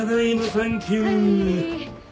サンキュー。